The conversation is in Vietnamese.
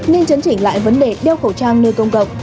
nên chấn chỉnh lại vấn đề đeo khẩu trang nơi công cộng